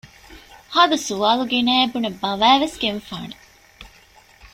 ހާދަ ސުވާލުގިނައޭ ބުނެ ބަވައިވެސް ގެންފާނެ